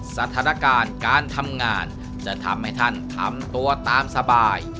สถานการณ์การทำงานจะทำให้ท่านทำตัวตามสบาย